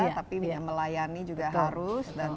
tapi dengan melayani juga harus